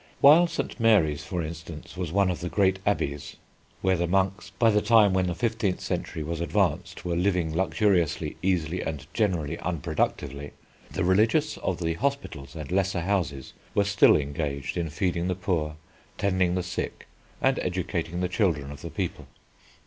While St. Mary's, for instance, was one of the great abbeys, where the monks, by the time when the fifteenth century was advanced, were living luxuriously, easily, and generally unproductively, the religious of the hospitals and lesser houses, were still engaged in feeding the poor, tending the sick, and educating the children of the people.